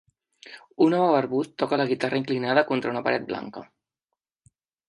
Un home barbut toca la guitarra inclinada contra una paret blanca.